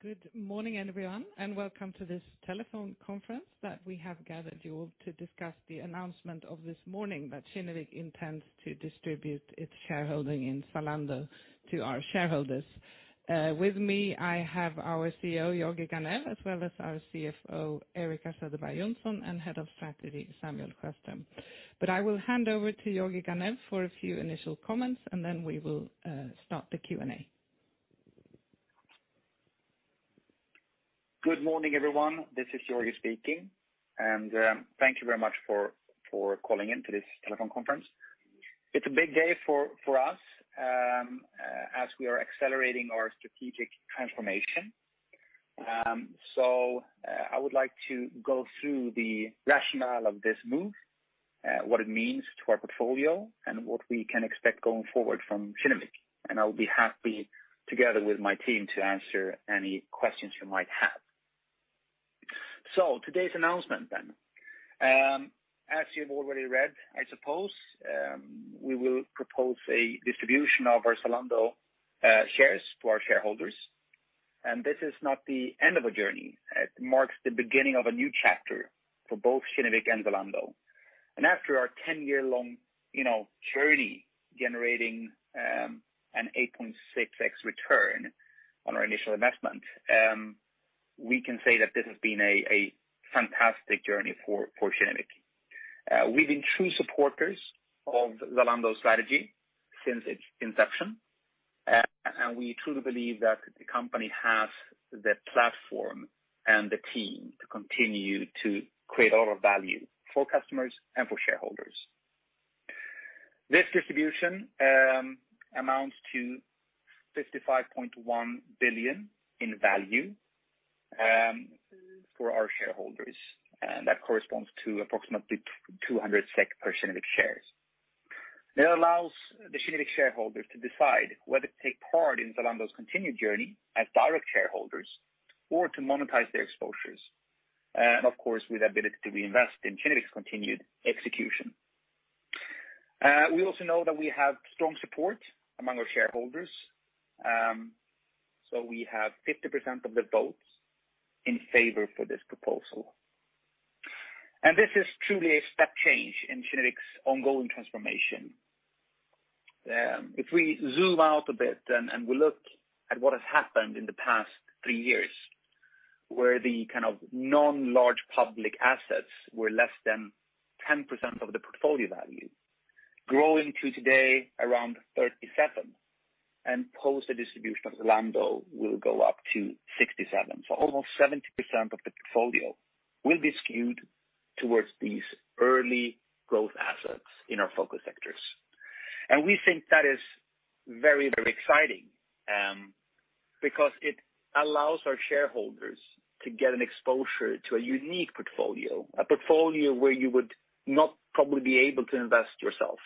Good morning, everyone, and welcome to this telephone conference that we have gathered you all to discuss the announcement of this morning that Kinnevik intends to distribute its shareholding in Zalando to our shareholders. With me, I have our CEO, Georgi Ganev, as well as our CFO, Erika Söderberg Johnson, and Head of Strategy, Samuel Sjöström. I will hand over to Georgi Ganev for a few initial comments, and then we will start the Q&A. Good morning, everyone. This is Georgi speaking, thank you very much for calling in to this telephone conference. It's a big day for us as we are accelerating our strategic transformation. I would like to go through the rationale of this move, what it means to our portfolio, and what we can expect going forward from Kinnevik. I'll be happy, together with my team, to answer any questions you might have. Today's announcement then. As you've already read, I suppose, we will propose a distribution of our Zalando shares to our shareholders. This is not the end of a journey. It marks the beginning of a new chapter for both Kinnevik and Zalando. After our 10-year long journey generating an 8.6x return on our initial investment, we can say that this has been a fantastic journey for Kinnevik. We've been true supporters of Zalando's strategy since its inception, and we truly believe that the company has the platform and the team to continue to create a lot of value for customers and for shareholders. This distribution amounts to 55.1 billion in value for our shareholders, and that corresponds to approximately 206% of its shares. That allows the Kinnevik shareholders to decide whether to take part in Zalando's continued journey as direct shareholders or to monetize their exposures, and of course, with ability to reinvest in Kinnevik's continued execution. We also know that we have strong support among our shareholders, so we have 50% of the votes in favor for this proposal. This is truly a step change in Kinnevik's ongoing transformation. If we zoom out a bit and we look at what has happened in the past three years, where the kind of non-large public assets were less than 10% of the portfolio value, growing to today around 37, Post the distribution of Zalando will go up to 67. Almost 70% of the portfolio will be skewed towards these early growth assets in our focus sectors. We think that is very exciting, because it allows our shareholders to get an exposure to a unique portfolio, a portfolio where you would not probably be able to invest yourself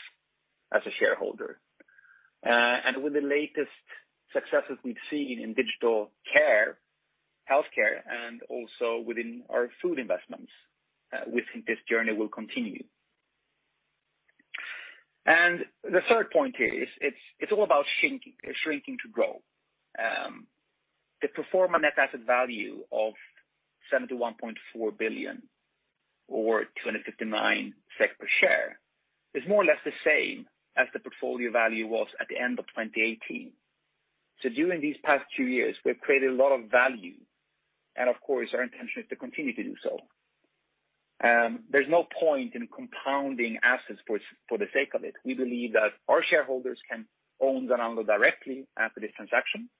as a shareholder. With the latest successes we've seen in digital care, healthcare, and also within our food investments, we think this journey will continue. The third point here is it's all about shrinking to grow. The pro forma net asset value of 71.4 billion or 259 SEK per share is more or less the same as the portfolio value was at the end of 2018. During these past two years, we've created a lot of value, and of course, our intention is to continue to do so. There's no point in compounding assets for the sake of it. We believe that our shareholders can own Zalando directly after this transaction,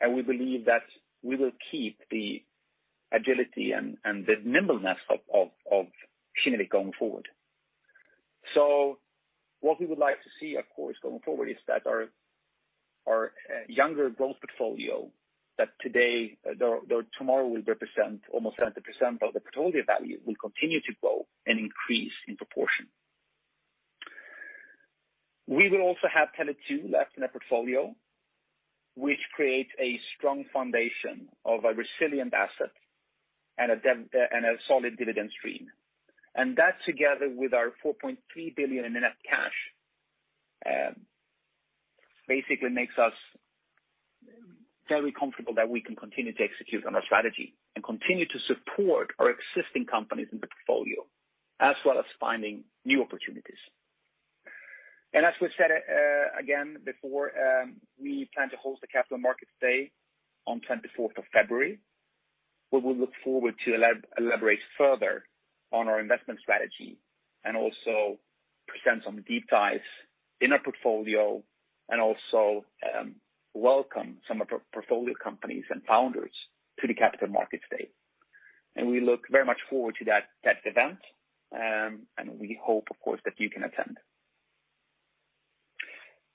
and we believe that we will keep the agility and the nimbleness of Kinnevik going forward. What we would like to see, of course, going forward is that our younger growth portfolio that tomorrow will represent almost 30% of the portfolio value will continue to grow and increase in proportion. We will also have Tele2 left in our portfolio, which creates a strong foundation of a resilient asset and a solid dividend stream. That together with our 4.3 billion in net cash basically makes us very comfortable that we can continue to execute on our strategy and continue to support our existing companies in the portfolio, as well as finding new opportunities. As we said again before, we plan to host a Capital Markets Day on 24th of February, where we look forward to elaborate further on our investment strategy and also present some deep dives in our portfolio and also welcome some of our portfolio companies and founders to the Capital Markets Day. We look very much forward to that event, and we hope, of course, that you can attend.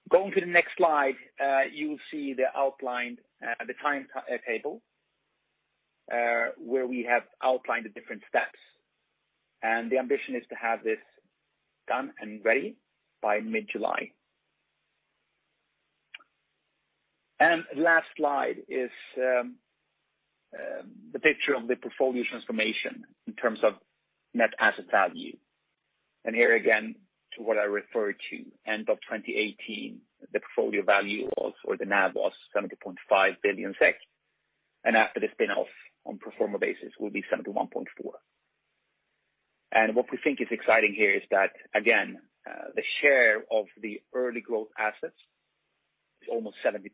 Going to the next slide, you will see the outline, the timetable, where we have outlined the different steps. The ambition is to have this done and ready by mid-July. Last slide is the picture of the portfolio transformation in terms of net asset value. Here again, to what I referred to, end of 2018, the portfolio value or the NAV was 7.5 billion SEK. After the spin-off, on pro forma basis, will be 71.4 billion. What we think is exciting here is that, again, the share of the early growth assets is almost 70%.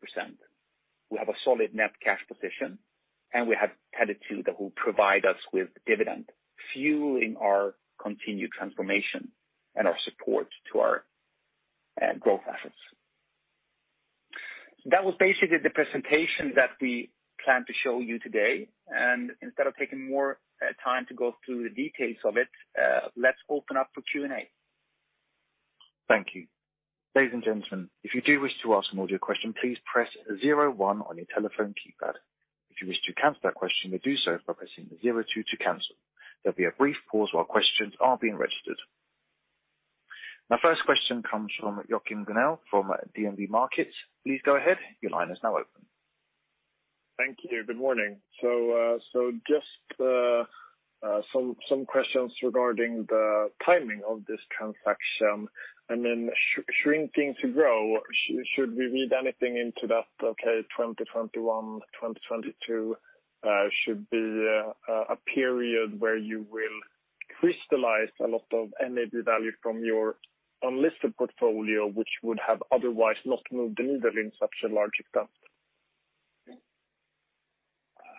We have a solid net cash position, and we have Tele2 who provide us with dividend, fueling our continued transformation and our support to our growth assets. That was basically the presentation that we planned to show you today, and instead of taking more time to go through the details of it, let's open up for Q&A. Thank you. Ladies and gentlemen, if you do wish to ask an audio question, please press zero one on your telephone keypad. If you wish to cancel that question, you do so by pressing the zero two to cancel. There'll be a brief pause while questions are being registered. My first question comes from Joachim Gunell from DNB Markets. Thank you. Good morning. Just some questions regarding the timing of this transaction, and then shrinking to grow. Should we read anything into that, 2021, 2022 should be a period where you will crystallize a lot of NAV value from your unlisted portfolio, which would have otherwise not moved the needle in such a large extent?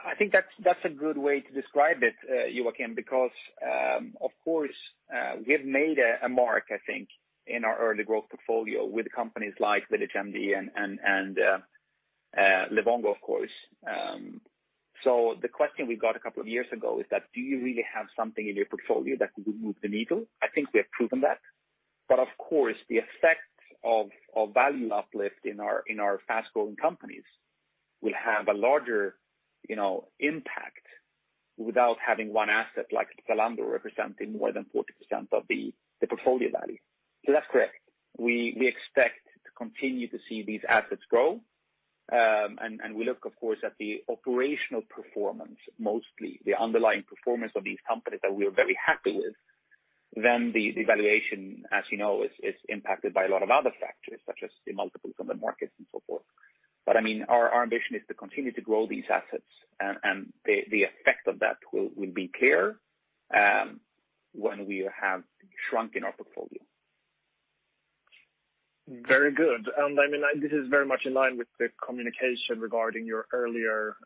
I think that's a good way to describe it, Joachim, because, of course, we have made a mark, I think, in our early growth portfolio with companies like VillageMD and Livongo, of course. The question we got a couple of years ago is that, do you really have something in your portfolio that could move the needle? I think we have proven that. Of course, the effect of value uplift in our fast-growing companies will have a larger impact without having one asset like Zalando representing more than 40% of the portfolio value. That's correct. We expect to continue to see these assets grow. We look, of course, at the operational performance, mostly the underlying performance of these companies that we are very happy with. The valuation, as you know, is impacted by a lot of other factors, such as the multiples on the markets and so forth. Our ambition is to continue to grow these assets, and the effect of that will be clear when we have shrunken our portfolio. Very good. This is very much in line with the communication regarding your earlier,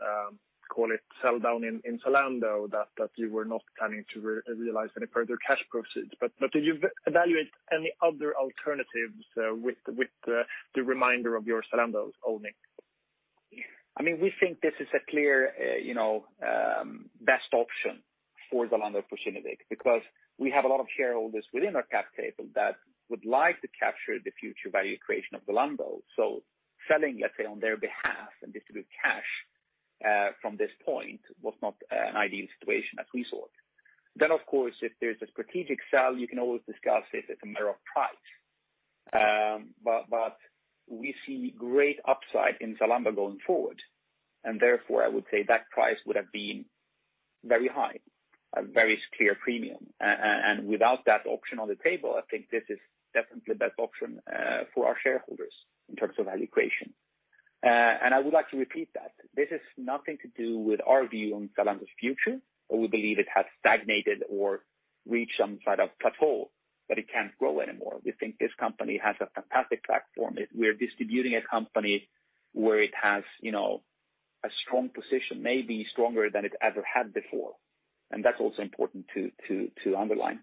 call it, sell down in Zalando, that you were not planning to realize any further cash proceeds. Did you evaluate any other alternatives with the remainder of your Zalando owning? We think this is a clear best option for Zalando, for Kinnevik, because we have a lot of shareholders within our cap table that would like to capture the future value creation of Zalando. Selling, let's say, on their behalf and distribute cash from this point was not an ideal situation as we saw it. Of course, if there's a strategic sell, you can always discuss it. It's a matter of price. We see great upside in Zalando going forward, and therefore, I would say that price would have been very high, a very clear premium. Without that option on the table, I think this is definitely the best option for our shareholders in terms of value creation. I would like to repeat that. This has nothing to do with our view on Zalando's future, or we believe it has stagnated or reached some sort of plateau that it can't grow anymore. We think this company has a fantastic platform. We're distributing a company where it has a strong position, maybe stronger than it's ever had before. That's also important to underline.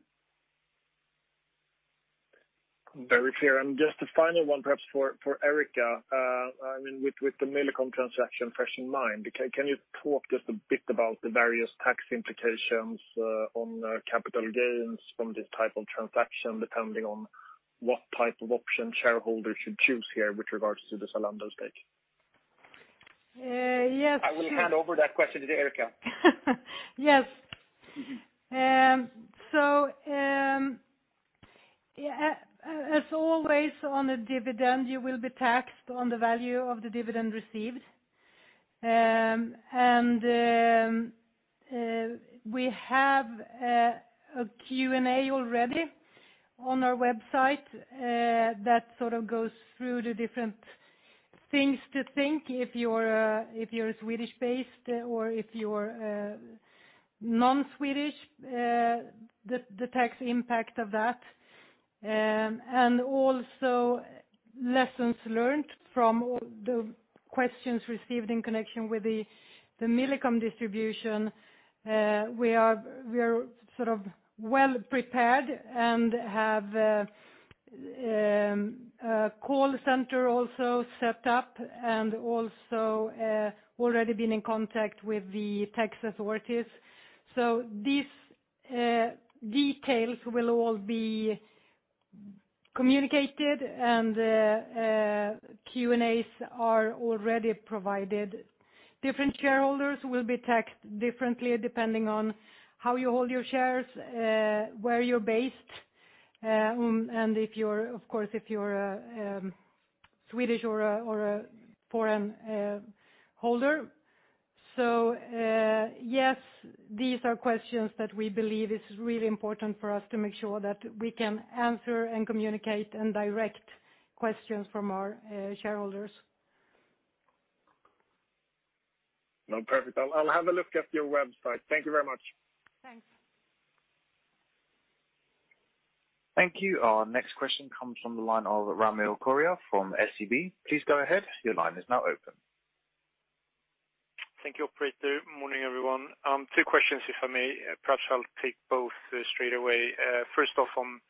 Very clear. Just a final one, perhaps for Erika. With the Millicom transaction fresh in mind, can you talk just a bit about the various tax implications on capital gains from this type of transaction, depending on what type of option shareholders should choose here with regards to the Zalando stake? I will hand over that question to Erika. Yes. As always on a dividend, you will be taxed on the value of the dividend received. We have a Q&A already on our website that sort of goes through the different things to think if you're Swedish-based or if you're non-Swedish, the tax impact of that, and also lessons learned from all the questions received in connection with the Millicom distribution. We are well prepared and have a call center also set up and also already been in contact with the tax authorities. These details will all be communicated, and Q&As are already provided. Different shareholders will be taxed differently depending on how you hold your shares, where you're based, and of course, if you're a Swedish or a foreign holder. Yes, these are questions that we believe is really important for us to make sure that we can answer and communicate and direct questions from our shareholders. No, perfect. I'll have a look at your website. Thank you very much. Thanks. Thank you. Our next question comes from the line of Ramil Koria from SEB. Please go ahead. Thank you, operator. Morning, everyone. Two questions, if I may. Perhaps I'll take both straight away. First off on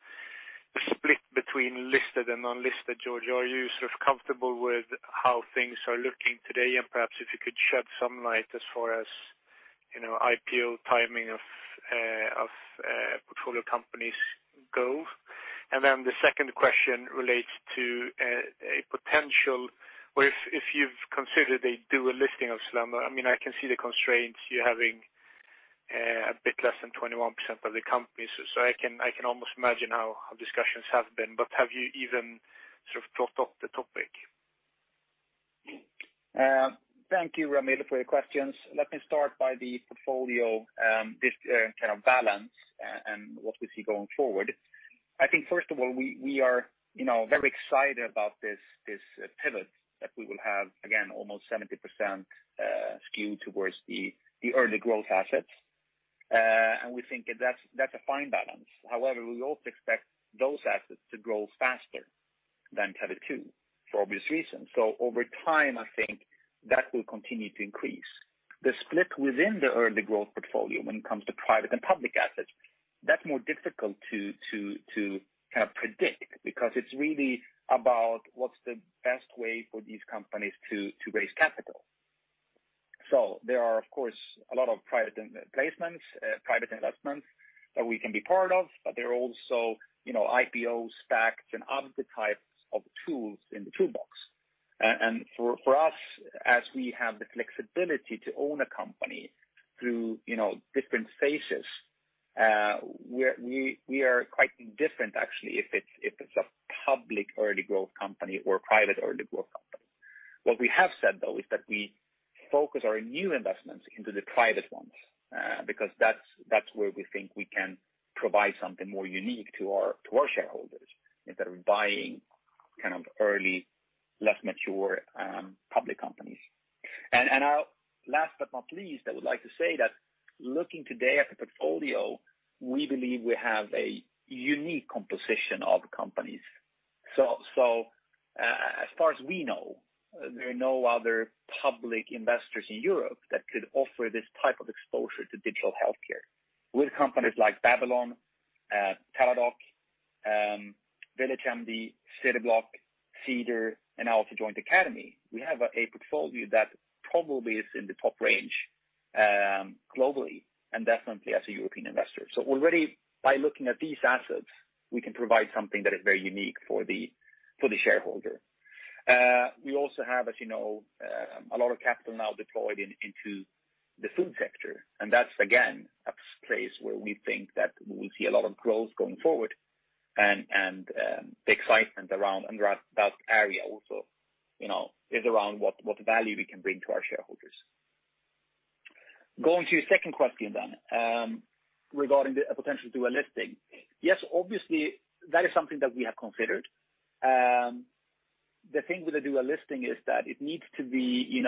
the split between listed and unlisted. Georgi, are you sort of comfortable with how things are looking today? Perhaps if you could shed some light as far as IPO timing of portfolio companies go. The second question relates to a potential or if you've considered a dual listing of Zalando. I can see the constraints, you're having a bit less than 21% of the company. I can almost imagine how discussions have been, but have you even sort of talked of the topic? Thank you, Ramil, for your questions. Let me start by the portfolio, this kind of balance and what we see going forward. I think first of all, we are very excited about this pivot that we will have, again, almost 70% skew towards the early growth assets. We think that's a fine balance. However, we also expect those assets to grow faster than Tele2, for obvious reasons. Over time, I think that will continue to increase. The split within the early growth portfolio when it comes to private and public assets, that's more difficult to predict because it's really about what's the best way for these companies to raise capital. There are, of course, a lot of private placements, private investments that we can be part of, but there are also IPOs, SPACs, and other types of tools in the toolbox. For us, as we have the flexibility to own a company through different phases, we are quite indifferent actually if it's a public early growth company or private early growth company. What we have said, though, is that we focus our new investments into the private ones, because that's where we think we can provide something more unique to our shareholders instead of buying kind of early, less mature public companies. Now last but not least, I would like to say that looking today at the portfolio, we believe we have a unique composition of companies. As far as we know, there are no other public investors in Europe that could offer this type of exposure to digital healthcare with companies like Babylon, Teladoc, VillageMD, Cityblock, Cedar, and also Joint Academy. We have a portfolio that probably is in the top range globally and definitely as a European investor. Already by looking at these assets, we can provide something that is very unique for the shareholder. We also have, as you know, a lot of capital now deployed into the food sector. That's, again, a place where we think that we will see a lot of growth going forward and the excitement around that area also is around what value we can bring to our shareholders. Going to your second question regarding the potential dual listing. Yes, obviously, that is something that we have considered. The thing with the dual listing is that it needs to be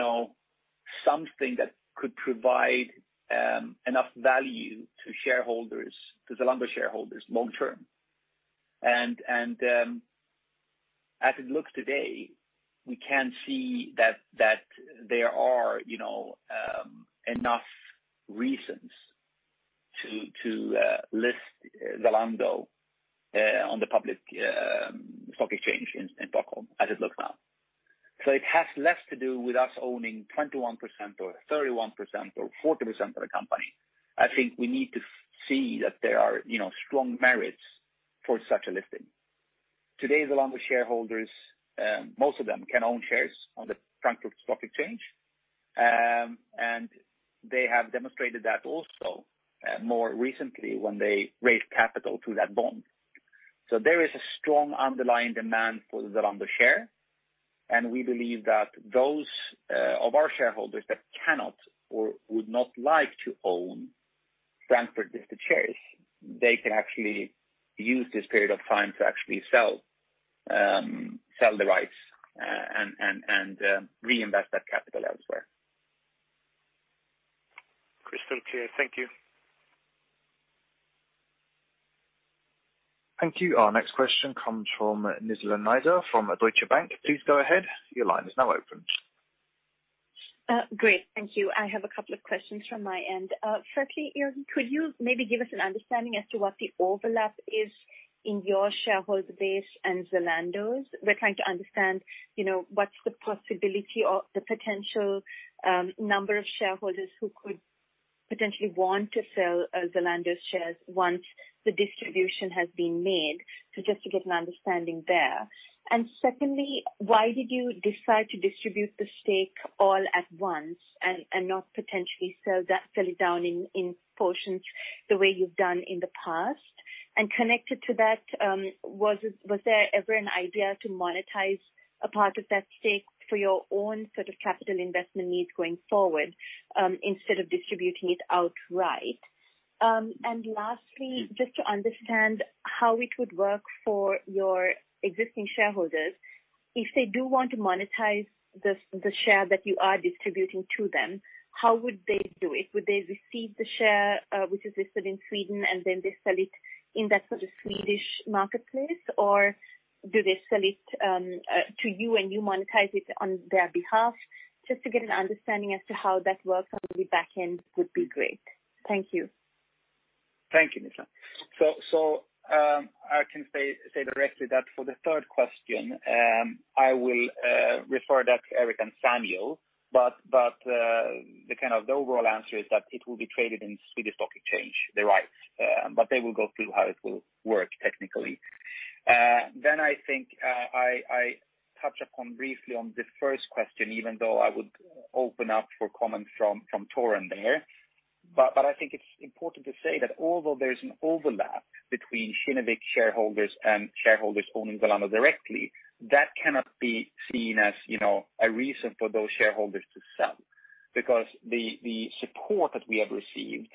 something that could provide enough value to Zalando shareholders long term. As it looks today, we can't see that there are enough reasons to list Zalando on the public stock exchange in Stockholm as it looks now. It has less to do with us owning 21% or 31% or 40% of the company. I think we need to see that there are strong merits for such a listing. Today, Zalando shareholders, most of them can own shares on the Frankfurt Stock Exchange, and they have demonstrated that also more recently when they raised capital through that bond. There is a strong underlying demand for the Zalando share, and we believe that those of our shareholders that cannot or would not like to own Frankfurt-listed shares, they can actually use this period of time to actually sell the rights and reinvest that capital elsewhere. Crystal clear. Thank you. Thank you. Our next question comes from Nizla Naizer from Deutsche Bank. Please go ahead. Your line is now open. Great. Thank you. I have a couple of questions from my end. Firstly, Georgi, could you maybe give us an understanding as to what the overlap is in your shareholder base and Zalando's? We're trying to understand what's the possibility or the potential number of shareholders who could potentially want to sell Zalando's shares once the distribution has been made. Just to get an understanding there. Secondly, why did you decide to distribute the stake all at once and not potentially sell it down in portions the way you've done in the past? Connected to that, was there ever an idea to monetize a part of that stake for your own sort of capital investment needs going forward, instead of distributing it outright? Lastly, just to understand how it would work for your existing shareholders, if they do want to monetize the share that you are distributing to them, how would they do it? Would they receive the share, which is listed in Sweden, and then they sell it in that sort of Swedish marketplace? Do they sell it to you, and you monetize it on their behalf? Just to get an understanding as to how that works on the back end would be great. Thank you. Thank you, Nizla. I can say directly that for the third question, I will refer that to Erika and Samuel, but the overall answer is that it will be traded in Swedish stock exchange, the rights. They will go through how it will work technically. I think I touch upon briefly on the first question, even though I would open up for comments from Torun there. I think it's important to say that although there's an overlap between Kinnevik shareholders and shareholders owning Zalando directly, that cannot be seen as a reason for those shareholders to sell. Because the support that we have received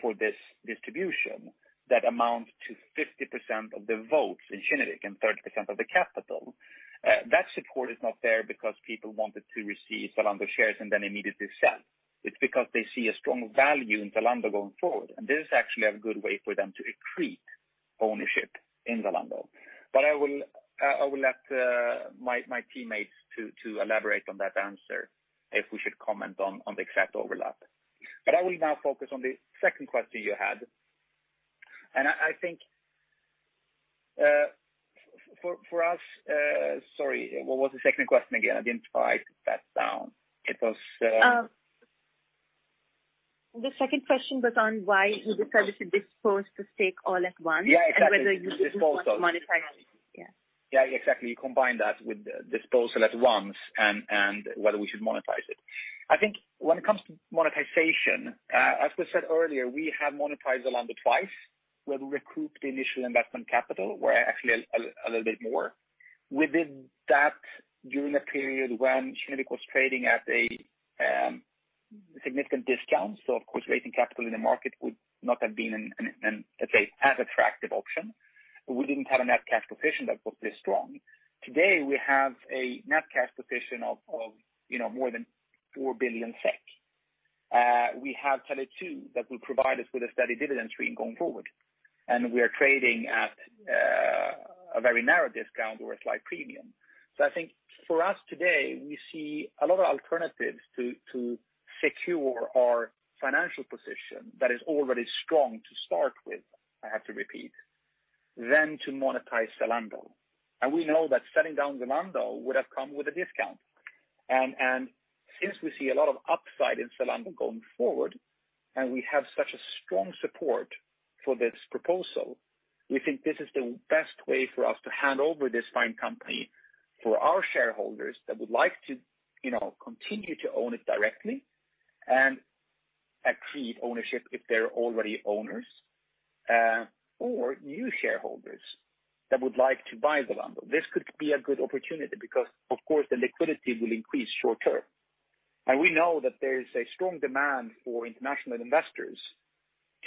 for this distribution, that amount to 50% of the votes in Kinnevik and 30% of the capital, that support is not there because people wanted to receive Zalando shares and then immediately sell. It's because they see a strong value in Zalando going forward, and this is actually a good way for them to accrete ownership in Zalando. I will let my teammates to elaborate on that answer if we should comment on the exact overlap. I will now focus on the second question you had. Sorry, what was the second question again? I didn't write that down. The second question was on why you decided to dispose the stake all at once. Yeah, exactly. Whether you still want to monetize it. Yeah. Yeah, exactly. You combine that with disposal at once and whether we should monetize it. I think when it comes to monetization, as we said earlier, we have monetized Zalando twice. We have recouped the initial investment capital. Well, actually, a little bit more. We did that during a period when Kinnevik was trading at a significant discount. Of course, raising capital in the market would not have been, let's say, as attractive option. We didn't have a net cash position that was this strong. Today, we have a net cash position of more than 4 billion SEK. We have Tele2 that will provide us with a steady dividend stream going forward. We are trading at a very narrow discount or a slight premium. I think for us today, we see a lot of alternatives to secure our financial position that is already strong to start with, I have to repeat, than to monetize Zalando. We know that selling down Zalando would have come with a discount. Since we see a lot of upside in Zalando going forward, and we have such a strong support for this proposal, we think this is the best way for us to hand over this fine company for our shareholders that would like to continue to own it directly and accrete ownership if they're already owners, or new shareholders that would like to buy Zalando. This could be a good opportunity because, of course, the liquidity will increase short-term. We know that there's a strong demand for international investors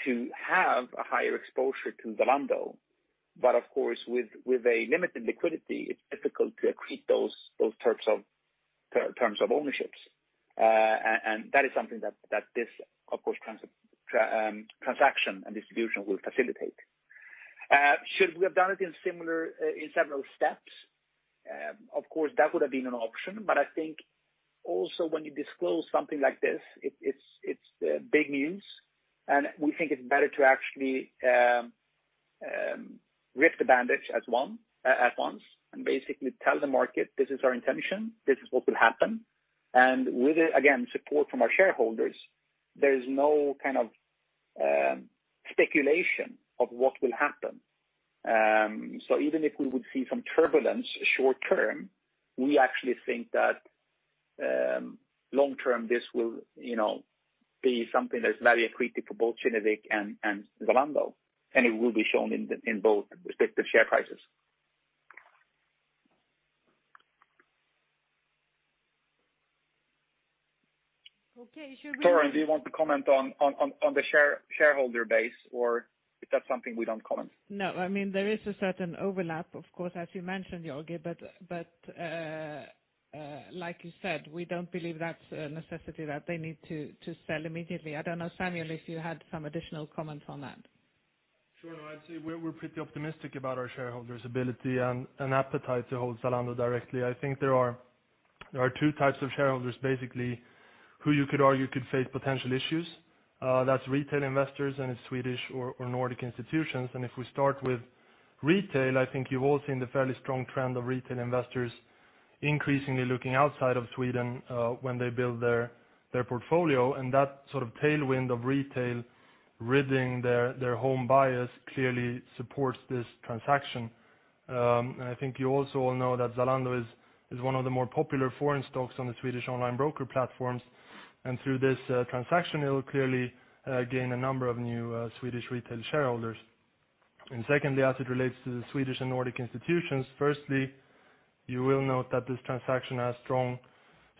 to have a higher exposure to Zalando. Of course, with a limited liquidity, it's difficult to accrete those terms of ownership. That is something that this, of course, transaction and distribution will facilitate. Should we have done it in several steps? Of course, that would have been an option, but I think also when you disclose something like this, it's big news, and we think it's better to actually rip the bandage at once and basically tell the market, "This is our intention. This is what will happen." With it, again, support from our shareholders, there is no kind of speculation of what will happen. Even if we would see some turbulence short-term, we actually think that long-term, this will be something that's very accretive for both Kinnevik and Zalando, and it will be shown in both respective share prices. Okay. Torun, do you want to comment on the shareholder base, or is that something we don't comment? No. There is a certain overlap, of course, as you mentioned, Georgi, but like you said, we don't believe that's a necessity that they need to sell immediately. I don't know, Samuel, if you had some additional comments on that. Sure. I'd say we're pretty optimistic about our shareholders' ability and appetite to hold Zalando directly. I think there are two types of shareholders, basically, who you could argue could face potential issues. That's retail investors and it's Swedish or Nordic institutions. If we start with retail, I think you've all seen the fairly strong trend of retail investors increasingly looking outside of Sweden when they build their portfolio, and that sort of tailwind of retail ridding their home bias clearly supports this transaction. I think you also all know that Zalando is one of the more popular foreign stocks on the Swedish online broker platforms, and through this transaction, it'll clearly gain a number of new Swedish retail shareholders. Secondly, as it relates to the Swedish and Nordic institutions, firstly, you will note that this transaction has strong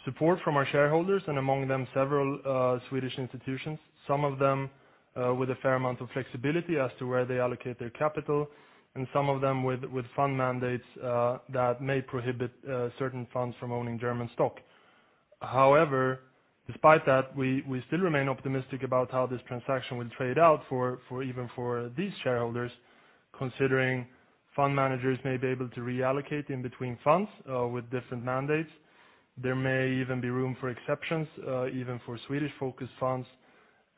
support from our shareholders and among them, several Swedish institutions, some of them with a fair amount of flexibility as to where they allocate their capital, and some of them with fund mandates that may prohibit certain funds from owning German stock. However, despite that, we still remain optimistic about how this transaction will trade out even for these shareholders, considering fund managers may be able to reallocate in between funds with different mandates. There may even be room for exceptions, even for Swedish-focused funds.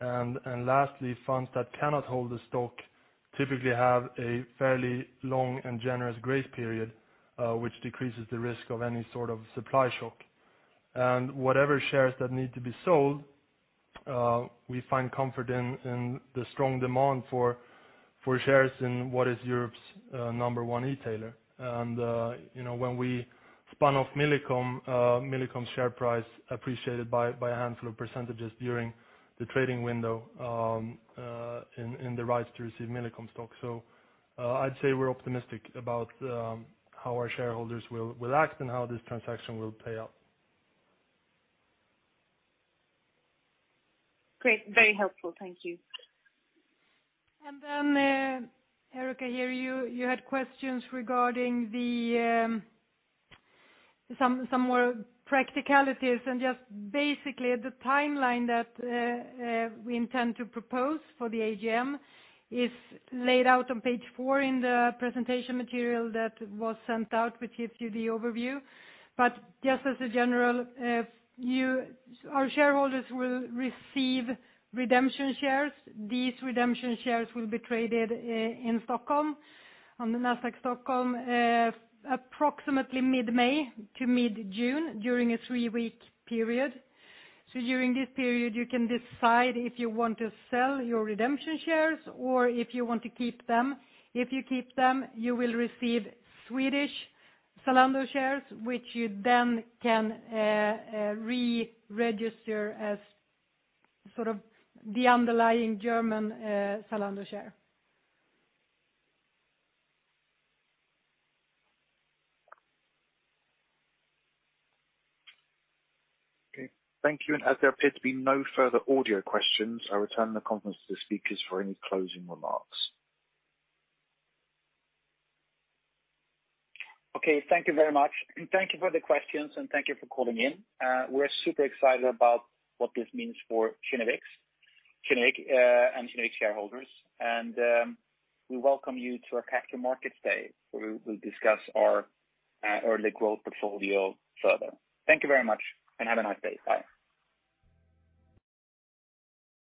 Lastly, funds that cannot hold the stock typically have a fairly long and generous grace period, which decreases the risk of any sort of supply shock. Whatever shares that need to be sold, we find comfort in the strong demand for shares in what is Europe's number one e-tailer. When we spun off Millicom's share price appreciated by a handful of percentages during the trading window in the rights to receive Millicom stock. I'd say we're optimistic about how our shareholders will act and how this transaction will play out. Great. Very helpful. Thank you. Then, Erika, I hear you had questions regarding some more practicalities and just basically the timeline that we intend to propose for the AGM is laid out on page four in the presentation material that was sent out, which gives you the overview. Just as a general, our shareholders will receive redemption shares. These redemption shares will be traded in Stockholm, on the Nasdaq Stockholm, approximately mid-May to mid-June, during a three-week period. During this period, you can decide if you want to sell your redemption shares or if you want to keep them. If you keep them, you will receive Swedish Zalando shares, which you then can re-register as sort of the underlying German Zalando share. Okay. Thank you, and as there appear to be no further audio questions, I return the conference to the speakers for any closing remarks. Okay, thank you very much. Thank you for the questions. Thank you for calling in. We're super excited about what this means for Kinnevik and Kinnevik shareholders. We welcome you to our Capital Markets Day, where we'll discuss our early growth portfolio further. Thank you very much. Have a nice day. Bye.